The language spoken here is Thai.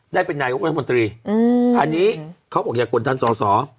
ได้เป็นหน่ายของพระมันตรีอืมอันนี้เขาบอกอย่ากดทันส่อส่อ